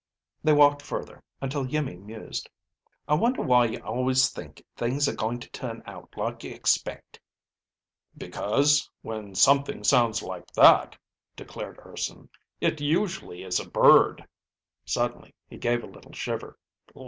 They walked further, until Iimmi mused, "I wonder why you always think things are going to turn out like you expect." "Because when something sounds like that," declared Urson, "it usually is a bird!" Suddenly he gave a little shiver.